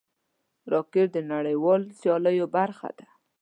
راکټ د نړیوالو سیالیو برخه ده